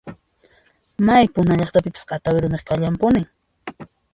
May puna llaqtapipas q'atawi rumiqa kallanpuni.